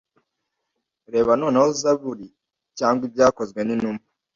Reba nanone Zaburi cyangwa Ibyakozwe n’intumwa